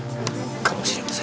かもしれません。